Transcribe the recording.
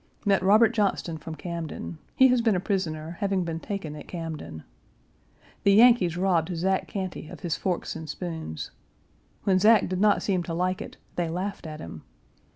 Met Robert Johnston from Camden. He has been a prisoner, having been taken at Camden. The Yankees robbed Zack Cantey of his forks and spoons. When Zack did not seem to like it, they laughed at him.